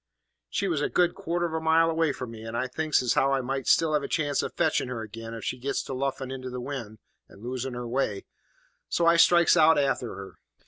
"She was a good quarter of a mile away from me, and I thinks as how I might still have a chance of fetching her ag'in, if she gets to luffing into the wind, and losing her way, so I strikes out a'ter her.